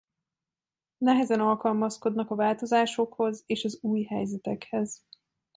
Nehezen alkalmazkodnak a változásokhoz és az új helyzetekhez.